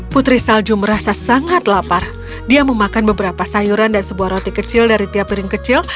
putri salju merasa sangat lapar dia memakan beberapa sayuran dan sebuah roti kecil dari tiap piring kecil